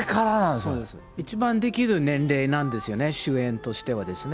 そうです、一番できる年齢なんですよね、主演としてはですね。